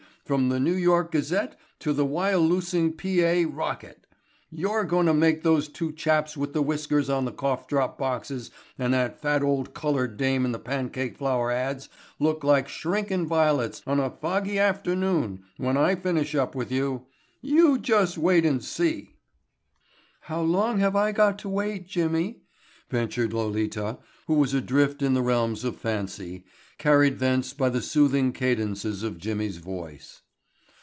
from the New York Gazette to the Wyalusing, Pa., Rocket. You're goin' to make those two chaps with the whiskers on the cough drop boxes and that fat old colored dame in the pancake flour ads look like shrinkin' violets on a foggy afternoon when I finish up with you. You just wait and see." "How long have I got to wait, Jimmy," ventured Lolita who was adrift in the realms of fancy, carried thence by the soothing cadences of Jimmy's voice.